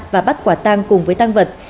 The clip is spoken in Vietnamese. và bắt quả tăng cùng với tăng vật